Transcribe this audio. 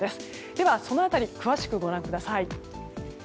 ではその辺り詳しくご覧ください。